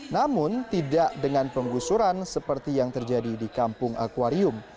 namun tidak dengan penggusuran seperti yang terjadi di kampung akwarium